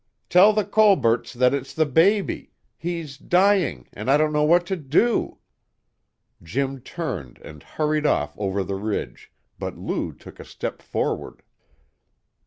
Tell the Colberts that it's the baby! He's dying, and I don't know what to do!" Jim turned, and hurried off over the ridge, but Lou took a step forward.